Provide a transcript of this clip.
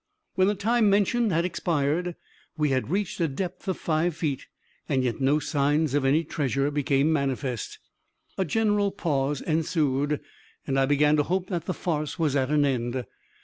When the time mentioned had expired, we had reached a depth of five feet, and yet no signs of any treasure became manifest. A general pause ensued, and I began to hope that the farce was at an end.